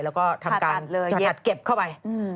แล้วก็ทำการขยัดเก็บเข้าไป